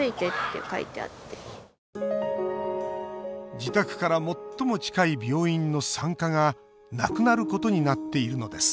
自宅から最も近い病院の産科がなくなることになっているのです